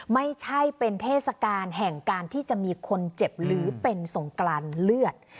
ไม่ใช่เป็นเทศกาลแห่งการที่จะมีคนเจ็บหรือเป็นสงกรานเลือด